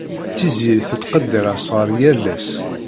Tiziri tettqeddir asɣar yal ass.